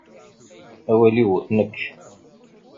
Awal-iw, nekk.